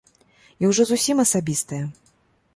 І ўжо зусім асабістае.